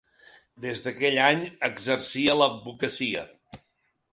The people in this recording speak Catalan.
Des d’aquell any exercia l’advocacia.